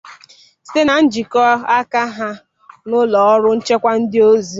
site na njikọaka ha na ụlọọrụ nchekwa ndị ọzọ